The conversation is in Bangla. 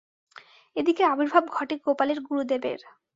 এদিকে আবির্ভাব ঘটে গোপালের গুরুদেবের।